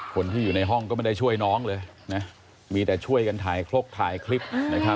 คนที่อยู่ในห้องก็ไม่ได้ช่วยน้องเลยนะมีแต่ช่วยกันถ่ายคลกถ่ายคลิป